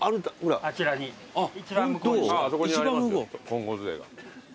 金剛杖が。